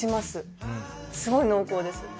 すごい濃厚です。